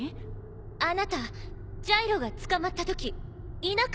あなたジャイロが捕まったときいなかったわよね？